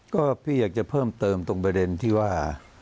ก็พี่อยากจะเพิ่มเติมตรงประเด็นที่ว่า